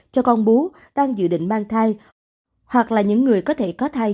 cho con bú đang dự định mang thai hoặc là những người có thể có thai